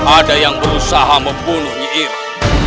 ada yang berusaha membunuh nyi iroh